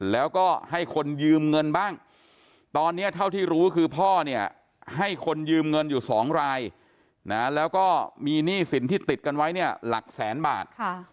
แล้วก็ให้คนยืมเงินบ้างตอนนี้เท่าที่รู้คือพ่อเนี่ยให้คนยืมเงินอยู่๒รายนะแล้วก็มีหนี้สินที่ติดกันไว้เนี่ยหลักแสนบาท